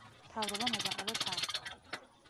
მთავრობამ აჯანყება ჩააქრო.